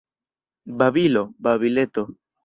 Babilo, babileto!